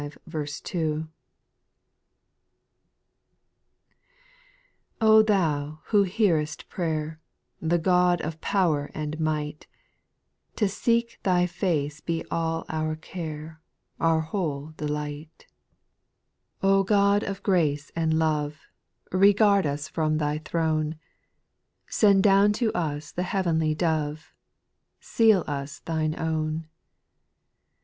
1. r\ THOU who hearest prayer, yj The God of power and might, To seek Thy face be a\\ ov« ^"^x^^ Our whole dcWgVit. 258 SPIRITUAL SONGS, God of grace and love, Regard us from Thy throne ; Send down to us the heavenly Dove, Seal us Thine own.